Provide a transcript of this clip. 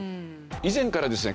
以前からですね